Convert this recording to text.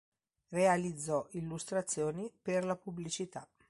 Realizzò illustrazioni per la pubblicità.